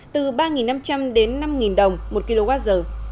từ ba năm trăm linh triệu đồng